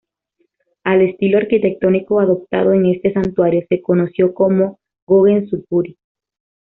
Al estilo arquitectónico adoptado en este santuario se conoció como "gongen-zukuri".